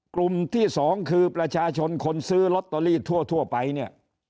กลุ่มที่สองคือประชาชนคนซื้อลอตเตอรี่ทั่วไปเนี่ย